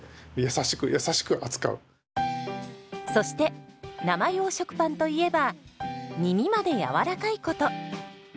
そして生用食パンといえばみみまでやわらかいこと。